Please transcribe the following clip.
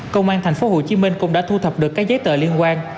công an thành phố hồ chí minh cũng đã thu thập được các giấy tờ liên quan